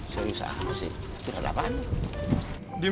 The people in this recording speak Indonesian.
serius apa sih curhat apaan